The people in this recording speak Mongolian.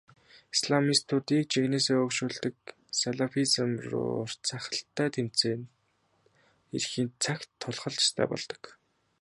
Исламистуудыг жинхэнээсээ өөгшүүлдэг салафизм руу урт сахалтай тэмцээд ирэхийн цагт тулах л ёстой болдог.